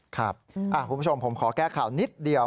คุณผู้ชมผมขอแก้ข่าวนิดเดียว